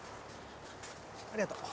ありがとう。